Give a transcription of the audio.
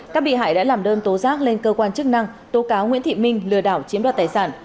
các bị hại đã làm đơn tố giác lên cơ quan chức năng tố cáo nguyễn thị minh lừa đảo chiếm đoạt tài sản